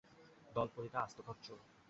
দলপতিটা আস্ত খচ্চর।